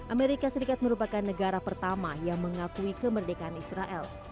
amerika serikat merupakan negara pertama yang mengakui kemerdekaan israel